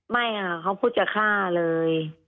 ไม่ค่ะเขาพูดจะฆ่าเลย